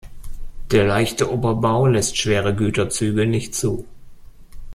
Der leichte Oberbau lässt schwere Güterzüge nicht zu.